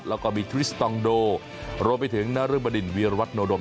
แล้วก็มีทริสตองโดรวมไปถึงนรบดินวีรวัตโนดม